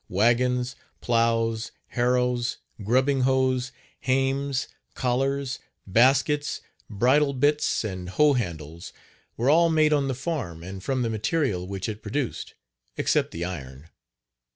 Wagons, plows, Page 35 harrows, grubbing hoes, hames, collars, baskets, bridle bits and hoe handles were all made on the farm and from the material which it produced, except the iron.